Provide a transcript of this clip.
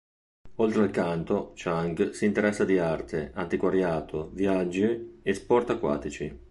Oltre al canto, Chang si interessa di arte, antiquariato, viaggi e sport acquatici.